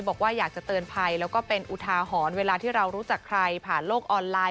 บอกว่าอยากจะเตือนภัยแล้วก็เป็นอุทาหรณ์เวลาที่เรารู้จักใครผ่านโลกออนไลน